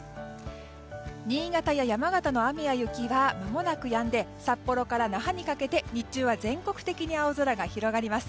新潟や山形の雨や雪はまもなくやんで札幌から那覇にかけて日中は全国的に青空が広がります。